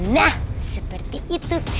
nah seperti itu